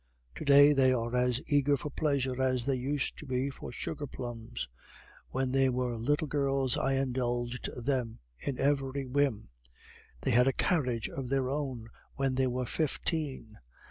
To day they are as eager for pleasure as they used to be for sugar plums. When they were little girls I indulged them in every whim. They had a carriage of their own when they were fifteen.